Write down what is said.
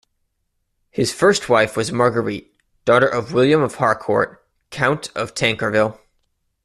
His first wife was Marguerite, daughter of William of Harcourt, Count of Tancarville.